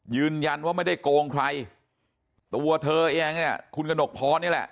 ยืนยันว่าไม่ได้โกงใครตัวเธอเองเนี่ยคุณกระหนกพรนี่แหละ